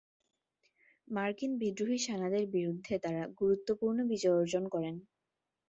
মার্কিন বিদ্রোহী সেনাদের বিরুদ্ধে তারা গুরুত্বপূর্ণ বিজয় অর্জন করে।